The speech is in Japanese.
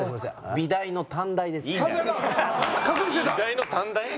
美大の短大？